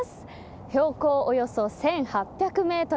標高およそ１８００メートル